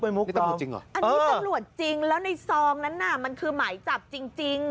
อันนี้ตำรวจจริงแล้วในซองนั้นน่ะมันคือหมายจับจริง